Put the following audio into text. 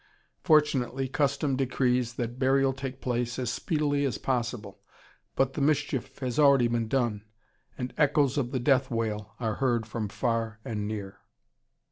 Fortunately custom decrees that burial take place as speedily as possible, but the mischief has already been done, and echoes of the death wail are heard from far and near.